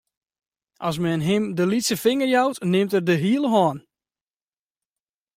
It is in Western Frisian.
As men him de lytse finger jout, nimt er de hiele hân.